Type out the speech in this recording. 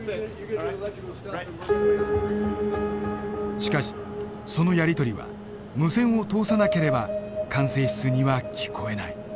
しかしそのやり取りは無線を通さなければ管制室には聞こえない。